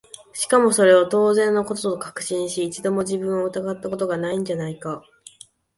しかもそれを当然の事と確信し、一度も自分を疑った事が無いんじゃないか？